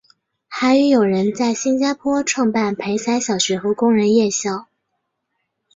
还与友人在新加坡创办培才小学和工人夜校。